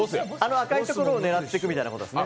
赤いところを狙っていくみたいなことですね。